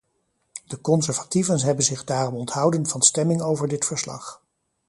De conservatieven hebben zich daarom onthouden van stemming over dit verslag.